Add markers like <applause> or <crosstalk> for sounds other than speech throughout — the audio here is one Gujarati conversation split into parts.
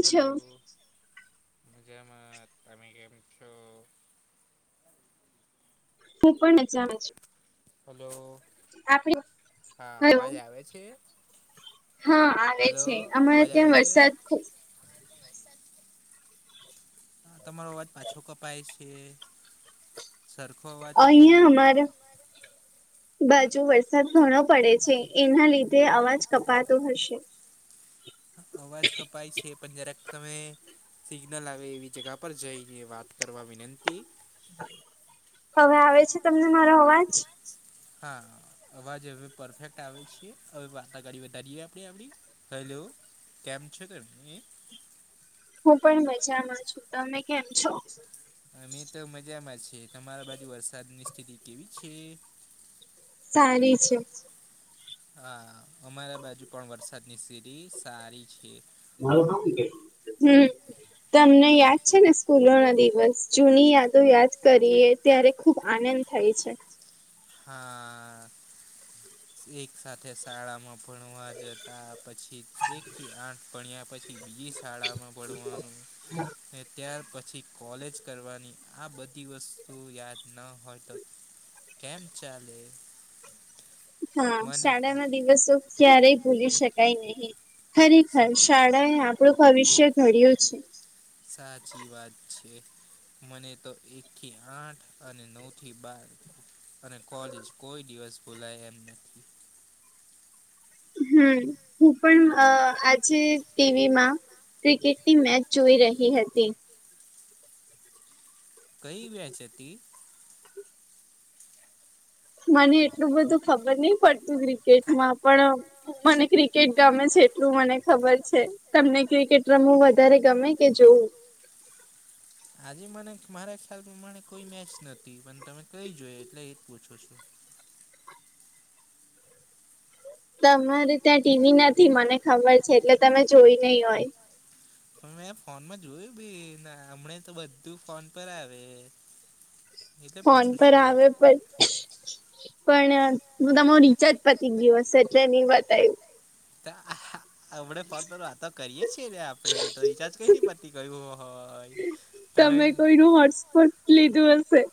હ હલો. મજામાં તમે કેમ છો. હું પણ નજા છ. હલો હા અવાજ આવે છે. હેલો અવાજ આવે છે. તમારો અવાજ પાછો કપાય છે સરખો અવાજ અપો બાજુ વરસાદ ઘણો પડે છે એના લીધે અવાજ કપાતો હશે. અવાજ કપાઈ છે. પણ જ્યારેક સમયે સિગ્નલ આવે એવી જગા પર જઈને વાત કરવા વિનંતી હવે આવે છે તમને મારો અવાજ હા. અવાજ હવે પરફેક્ટ આવે છીએ હવે વાતગાળ વધારીએ આપણે આપણી હેલો. કેમ છે તેમે. હું પણ મજામાં છું તમે કેમ છો. અમે તો મજામાં છે તમારા બાજુ વરસાદની સ્થિતિ કેવી છે. સારી છે. હા અમારા બાજુ પણ વરસાદની સીધી સારી છે. મારુ નામ વિજય હું. તમને યાદ છે ને સ્કૂલો ના દિવસ જૂની યાદો યાદ કરીએ. ત્યારે ખૂબ આનંદ થાય છે. હા આ એક સાથે શાળામાં ભણવા જતા પછી એક થી આઠ ભણ્યા પછી બીજી શાળામાં ભણવાનું ને ત્યાર પછી. કોલેજ કરવાની આ બધી વસ્તુઓ યાદ ન હોય તો કેમ ચાલે. હા શાળા ના દિવસો ક્યારેય ભૂલી શકાય નહી. ખરેખર શાળા એ આપણું ભવિષ્ય ઘડ્યું છે. સાચી વાત છે. મને તો એક થી આઠ અને નવ થી બાર અને કોલેજ કોઈ દિવસ ભુલાય એમ નહિ. હમ હું પણ આજે ટીવી માં ક્રિકેટની મેચ જોઈ રહી હતી. કઈ વ્યાચતી. મને એટલું બધું ખબર નહી પડતું ક્રિકેટમાં પણ મને ક્રિકેટ ગમે છે એટલું મને ખબર છે. તમને ક્રિકેટ રમું વધારે ગમે કે જોવું. આજે મને મારા ખ્યાલ પ્રમાણે કોઈ મેચ નથી પણ તમે કઈ જોય એટલે એ જ પૂછો છો. તમારે ત્યાં ટીવી નથી મને ખબર છે એટલે તમે જોઈ નહી હોય. પણ મેં ફોનમાં જોયું ભી હમણા તો બધું ફોન પર આવે ફોન પર આવે પણ પણ હું તમો રિચાર્જ પતી ગયુહશે એટલે નહી બતાય્યું ત આ આપણે ફોન તો આતો કરીએ છીએ ને આપડે તો રિચાજ કઈ પતી કયું હોય તમે લો હોટસ્પોટ લીધું હશે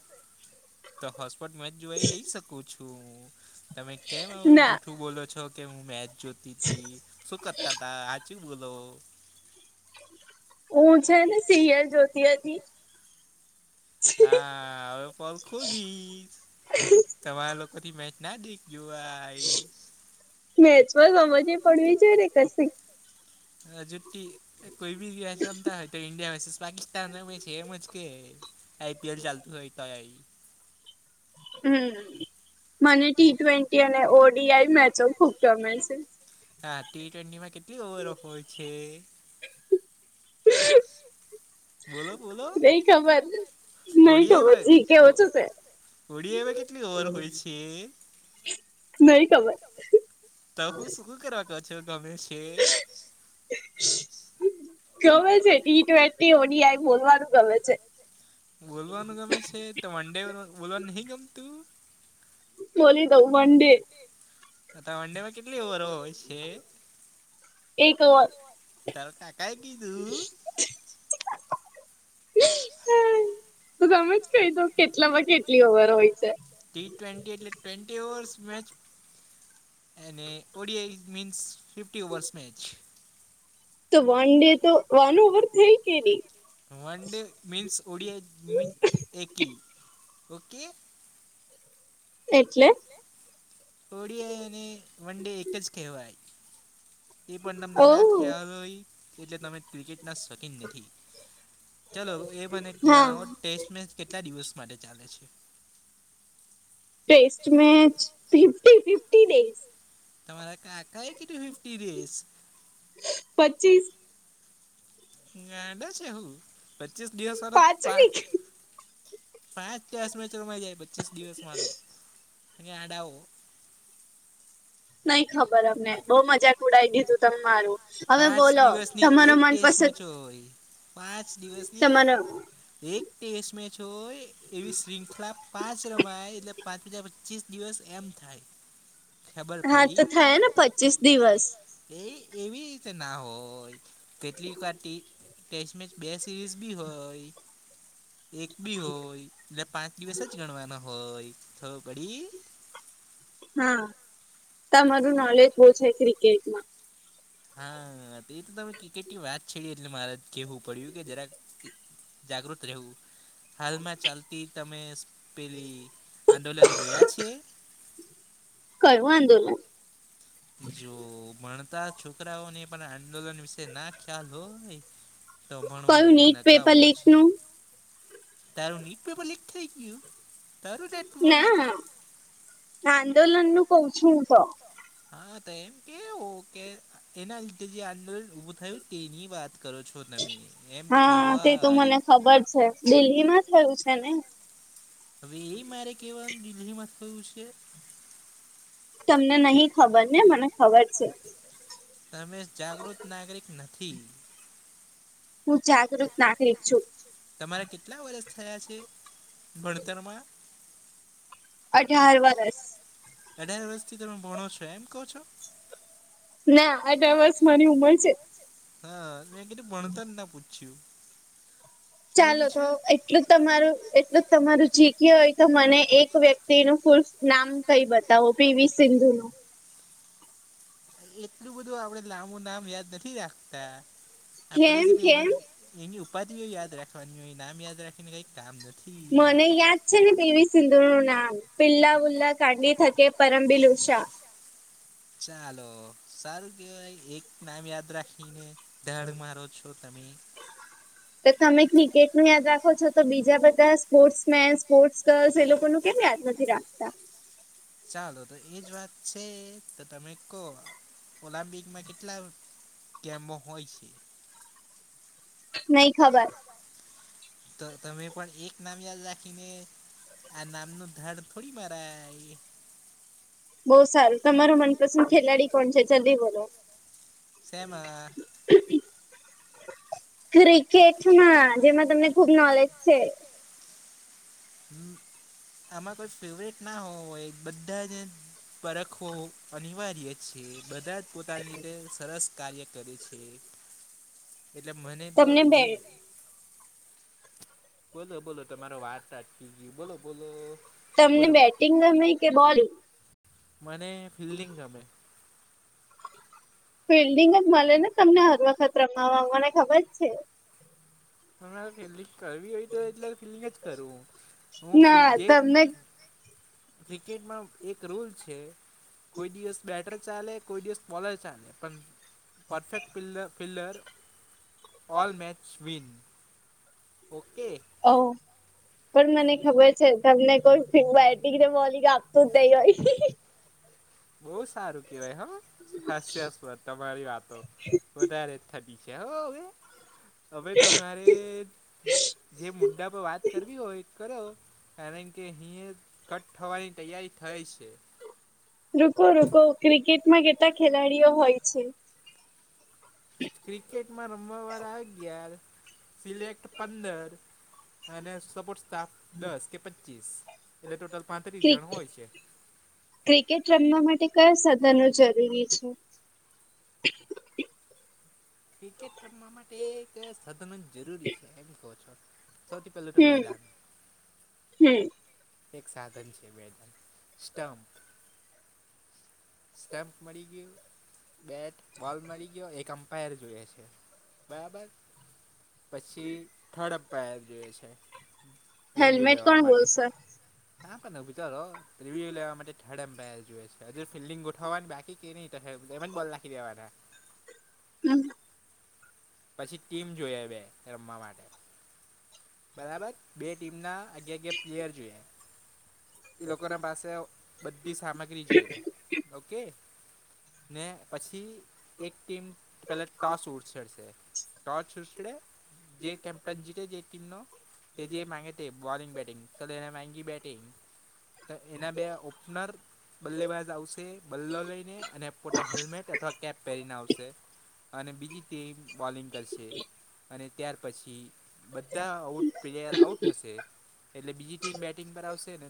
તો હોટસ્પોટ મેચ જોઈ લઈ શકો છો. તમે કેમ આવું જૂઠું બોલો છો કે હું મેચ જોતી હતી. સુુકત્તા હતા હાચુ બોલો હું છે ને સિયલ જ્યોતિ હતી હા હવે પલ ખોલીશ તમારા લોકો થી મેચ ના દેખ યુઆઈ મેચમાં સમજ પડવી જોઈએ ને કશી હ જુ કી કોઈ બી મેચ રમતા હોય તો ઇન્ડિયા વશે પાકિસ્તાન રમે છે એમજ કે આઈપીએલ ચાલતું હોય તોયય હમ મને ટી ટ્વેન્ટી અને ઓડીઆઈ મેચો ખુબ ગમે છે. હા ટી ટ્વેન્ટીમાં કેટલી ઓવરો હોય છે. હ <inaudible> ની ખબર હોડ એમાં હોડમાં કેટલી ઓવર હોય છે. કે, ત હું સુખું કર પછ ગમે છે. ગમે છે ટી ટ્વેી ઓનઆઈ બોલવાનું ગમે છે. બોલવાનું ગમે છે તો વન ડે બોલવાનું નહિ ગમતું બલી દઉ વન ડે વન ડે માં કેટલી ઓવરો હોય છે. કાગી દું તજ કહી તો કેટલામાં કેટલી ઓવર હોય છે. ટી ટ્વેન્ટી એટલે ટ્વેન્ટી ઓવર્સ મેચ એને ODI means fifty overs match તો વન ડે તો વન ઓવર થઈ કેલી વન ડ મીન્સ ઓડિયા મી એકી ઓકે એટલે ઓડિયા અને વન ડે એક જ કહેવાય એ પણ તમને ના ખ્યાલ હોય એટલે તમે ક્રિકેટ ના શક ઠીક ચાલલો એ મને જણા ટેસ્ટ મેચ કેટલા દિવસ માટે ચાલે છે. Test match fifty fifty days તમારા કાકાએ કેું ફિફ્ટ ડેસ પચીસ ગાંડે છે. હું પચીસ દિવસ વર પાચ દસ મેચ રમાઈ જાય પચીસ દિવસમાં તો આડ આવો નઈ ખબર અમને બહુ મજાક ઉડાાવ દીધું તમે મારું પાંચ દિવસની એક ટેસ્ટ મેચો હોય પાંચ દિવસની એક ટેસ્ટ મેચ હોય એવી શ્રૃંખલા પાંચ રમાય એટલે પાંચા પચીસ દિવસ એમ થાય હા તો થાય ને પચીસ દિવસ એ એવી રીતે ના હોય કેટલી વાર ટી કેચ મેચ બે સિરીઝ બી હોય એક બી હોય એટલે પાંચ દિવસ જ ગણવાના હોય ખબર પડી હા, તમારું નોલેજ બો છે ક્રિકેટમાં હા એ તો તમે ક્રિકેટની વાત છેડી એટલે મારે કેવું પડ્યું કે જરાક જાગૃત રહેવું હાલમાં ચાલતી તમે પેલી આંદોલન જોયા છે. કયું આંદોલન જો ભણતા છોકરાઓને પણ આંદોલન વિશે ના ખ્યાલ હોય તો ભણવું બી નકામો છે. તારું ન્યૂટ પેપર લીક થઈ ગયું તારું ના આંદોલનનું કહું, છું, હું તો હા તો એમ કેવું કે એના લીધે જે આંદોલન ઉભું થયું તેની વાત કરો છો હા તે તો મને ખબર છે. દિલ્હીમાં થયું છે ને હવે એ મારે કેવા દિલ્હીમાં કયું છે. તમને નહિ ખબરને મને ખબર છે. તમે જાગૃત નાગરિક નથી હું જાગૃત નાગરિક છું તમારા કેટલા વર્ષ થયા છે. ભણતરમાં અઢાર વર્ષ. અઢાર વર્ષથી તમે ભણો છો એમ કહો છો. ના અઢાર વર્ષ મારી ઉંમર છે. હા મેં કીધું ભણતર ના પૂછ્યું. ચાલો તો એટલું તમારું એટલું તમારું જીખી હોય તો મને એક વ્યક્તિનું ફૂલ નામ કઈ બતાવો પીવી સિંધુનું. એટલું બધું આપડે લાંબુ નામ યાદ નથી રાખતા આપડે જ બે. એની ઉપાધિઓ યાદ રાખવાની હોય એ નામ યાદ રાખીને કંઈક કામ નથી. મને યાદ છે ને પીવી સિંધુનું નામ પિલ્લા વુલ્લા કાઢી થકે. પરમબીલુ ઉષા. ચાલો સારું કેવાય એક નામ યાદ રાખીને ધાડ મારો છો. તમે. તો તમે ક્રિકેટનું યાદ રાખો છો તો બીજા બધા સ્પોર્ટ્સ મેન સ્પોર્ટ્સ ગર્લ્સ એ લોકોનું કેમ યાદ નથી રાખતા. ચાલો તો એજ વાત છે તો તમે કો. ઓલમ્પિકમાં કેટલા ગેમો હોય છે. નહી ખબર. તો તમે પણ એક નામ યાદ રાખીને આ નામનું ધાડ થોડી મારાય. બહુ સારું તમારુ મનપસંદ ખેલાડી કોણ છે જલ્દી બોલો સેમા ક્રિકેટમાં જેમાં તમને ખુબ નોલેજ છે. આમાં કોઈ ફેવરેટ ના હોય બધા જ. પરખવો અનિવાર્ય છે બધા જ. પોતાની રીતે સરસ કાર્ય કરે છે એટલે મને તો જે. બોલો બોલો તમારો વાત અટકી ગઈ બોલો બોલો તમને બેટિંગ ગમે કે બોલ મને ફિલ્ડિંગ ગમે. ફિલ્ડિંગ જ મળે ને તમને હર વખત રમાવા મા મને ખબર છે. મારે ફિલ્ડિંગ કરવી હોય તો એટલે ફિલ્ડિંગ જ કરું હું ફી જે. ક્રિકેટમાં એક રૂલ છે કોઈ દિવસ બેટર ચાલે કોઈ દિવસ બોલર ચાલે પણ પરફેક્ટ પિલ્લર ફિલ્લર ઓલ મેૅચસ વિન. ઓકે. ઓ. પણ મને ખબર છે તમને કોઈ ફીલ્ડ મા બેટિક ને બોલિંગ આપતું નહિ હોય. બહુ સારું કેવાય હા હાસ્યાસ્પરદ. તમારી વાતો વધારે થકી છે હોવે. હવે તમારે જે મુદ્દા પર વાત કરવી હોય કરો. કારણ કે અહીંયા કટ થવાની તૈયારી થાય છે. રૂકો રૂકો ક્રિકેટમાં કેટલા ખેલાડીઓ હોય છે. ક્રિકેટમાં રમવાવાળા અગિયાર સિલેક્ટ પંદર અને સપોર્ટ સ્ટાફ દસ કે પચીસ એટલે ટોટલ પાંત્રીસ જણ હોય છે. ક્રિકેટ રમવા માટે કયો સાધનો જરૂરી છે. ક્રિકેટ રમવા માટે એક સાધન જ જરૂરી છે બોલ. સૌથી પહેલું તો મેદાન. એક સાધન છે મેન સ્ટમ્પ. સ્ટમ્પ મળી ગયું બેટ બોલ મળી ગયો એક અમ્પાયર જોએ છે. બરાબર પછી થર્ડ અમ્પાયર જોઈએ છે. હેલ્મેટ કોણ બોલ સર કા પણ વિચારો રિવ્યુ લેવા માટે થર્ડ એમ્પાયર જ જોએ છે હજુ ફિલ્ડિંગ ગોઠવાની બાકી કે ની એમાં જ બોલ નાખી દેવાના હમ પછી ટીમ જોઈએ બે રમવા માટે. બરાબર બે ટીમના અગે અગ પ્લેયર જોઈએ. એ લોકોના પાસે બધી સામગ્રી જોઈએ ઓકે. ને પછી એક ટીમ પહેલે ટોસ ઉછડશે ટોસ ઉછડે જે કેમપનજીટે જે ટીમનો તે જે માગે તે બોલિંગ બેટિંગ તો તેને માંગી બેટિંગ તો એના બે ઓપનર. બલ્લેબાજ આવશે બલ્લો લઈને અને પોતે હેલ્મેટ અથવા કેપ પહેરીને આવશે અને બીજી ટીમ બોલિંગ કરશે અને ત્યાર પછી બધા આઉટ પ્લેયર આઉટ હશે એટલે બીજી ટીમ બેટિંગ પર આવશે ને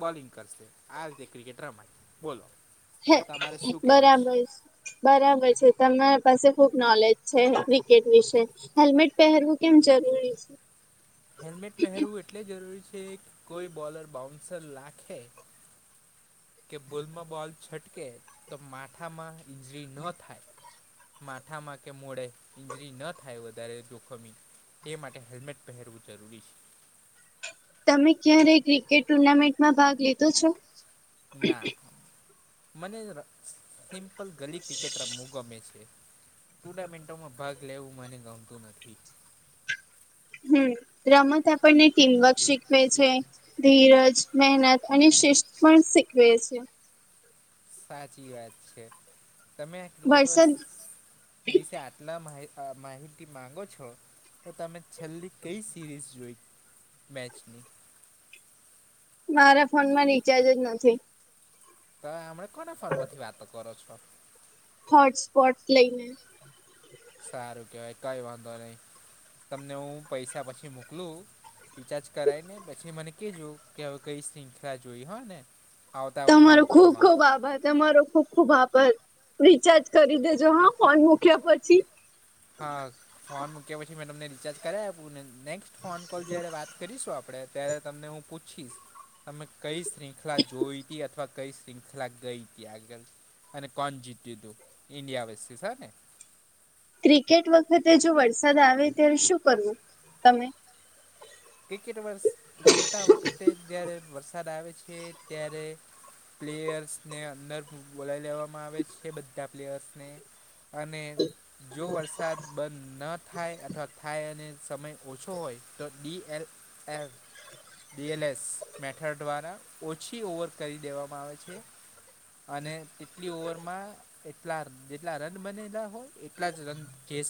બોલિંગ કરશે આ રીતે ક્રિકેટ રમાય બોલો. હે બરાબર છે. બરાબર છે તમારી પાસે ખુબ નોલેજ છે ક્રિકેટ વિશે હેલ્મેટ પહેરવું કેમ જરૂરી છે? હેલ્મેટ પહેરવું એટલે જરૂરી છે કોઈ બોલર બાઉન્સર લાખે કે બોલમાં બોલ છટકે તો માઠામાં ઈંજરી ન થાય માથામાં કે મોડે ઈંજરી ન થાય વધારે જોખમી તે માટે હેલ્મેટ પહેરવું જરૂરી છે. તમે ક્યારે ક્રિકેટ ટુર્નામેન્ટમાં ભાગ લીધો છે? ના મને સિમ્પલ ગલી ક્રિકેટ રમું ગમે છે ટુર્નામેન્ટોમાં ભાગ લેવું મને ગમતું નથી. હમ રમત આપણને ટીમવર્ક શીખવે છે, ધીરજ મહેનત અને શિસ્ત પણ શીખવે છે. સાચી વાત છે તમે આ ક્રિકેટ વિશે આટ ટલા માહ માહિતી માગો છો તો તમે છેલ્લી કઈ સિરીઝ જોઈ મેચની? મારા ફોનમાં રિચાર્જ જ નથી. ત હમણે કોના ફોન પરથી વાતો કરો છો? હોટસ્પોટ લઈને. સારું કહેવાય કઈ વાંધો નહી તમને હું પૈસા પછી મોકલું રિચાર્જ કરાય ને પછી મને કહેજો કે હવે કઈ શૃંખલા જોઈ હને. તમારો ખુબ ખુબ આભાર. તમારો ખુબ ખુબ આભાર રીચાર્જ કરી દેજો હા ફોન મુૂક્યા પછી. હા ફોન મૂક્યા પછી મેં તમને રિચાર્જ કરાવ આપુને નેક્સ્ટ ફોન કોલ જ્યારે વાત કરીશું આપણે ત્યારે તમને હું પૂછીશ તમે કઈ શ્રૃંખલા જોઈ હતી અથવા કઈ શ્રૃંખલા ગઈ હતી આગળ અને કોણ જીત્યું હતું ઈન્ડિયા વસીસ હને. ક્રિકેટ વખતે જો વરસાદ આવે ત્યારે શું કરવું તમે? ક્રિકેટ વર્ષ રમતા વખતે જ્યારે વરસાદ આવે છે ત્યારે પ્લેયર્સને અંદર બોલાવી લેવામાં આવે છે બધા પ્લેયર્સને અને જો વરસાદ બંધ ન થાય અથવા થાય અને સમય ઓછો હોય તો ડીએલફ ડીએલએસ મેટ હેઠર દ્વારા ઓછી ઓવર કરી દેવામાં આવે છે. અને તેટલી ઓવરમાં એટલા જેટલા રન બનેલા હોય. એટલા જ ખેસ